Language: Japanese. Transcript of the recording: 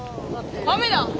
雨だ！